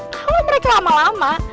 kalau mereka lama lama